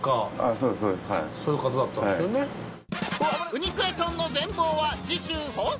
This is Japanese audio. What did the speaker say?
「ウニクレソン」の全貌は次週放送！